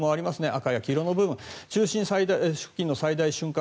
赤や黄色の部分中心部分の最大瞬間